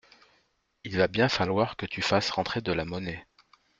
Il va bien falloir que tu fasses rentrer de la monnaie.